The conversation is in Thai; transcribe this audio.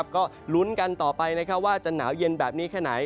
ก็ลุ้นกันต่อไปว่าจะหนาวเย็นแบบนี้แค่ไหน